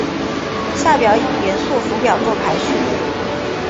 下表以元素符号作排序。